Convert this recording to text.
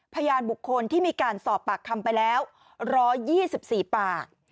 พยานบุคคลที่มีการสอบปากคำไปแล้ว๑๒๔ปาก